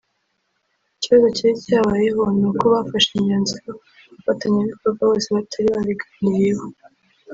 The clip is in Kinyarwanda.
Ikibazo cyari cyabayeho ni uko bafashe imyanzuro abafatanyabikorwa bose batari babiganiriyeho